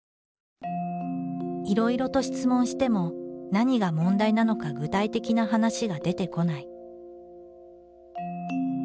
いろいろと質問しても何が問題なのか具体的な話が出てこない。